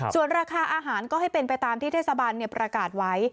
ส่วนราคาอาหารก็ให้เป็นไปตามที่เทศบาลประกาศไว้